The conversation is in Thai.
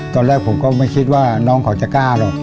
ตอนแรกผมก็ไม่คิดว่าน้องเขาจะกล้าหรอก